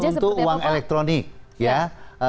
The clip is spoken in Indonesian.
jadi untuk uang elektronik ya